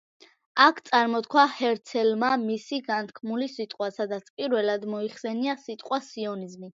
აქ წარმოთქვა ჰერცელმა მისი განთქმული სიტყვა, სადაც პირველად მოიხსენია სიტყვა სიონიზმი.